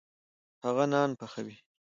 هغه نان پخوي.